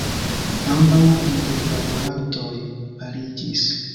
Ambaŭ interparolantoj paliĝis.